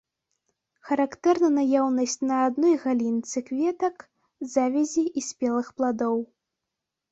Характэрна наяўнасць на адной галінцы кветак, завязі і спелых пладоў.